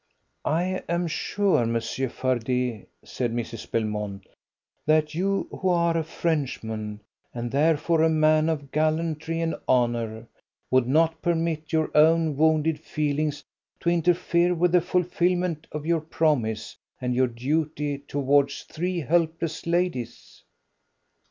"I am sure, Monsieur Fardet," said Mrs. Belmont, "that you, who are a Frenchman, and therefore a man of gallantry and honour, would not permit your own wounded feelings to interfere with the fulfilment of your promise and your duty towards three helpless ladies."